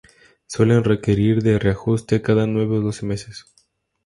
Suelen requerir de reajuste cada nueve o doce meses.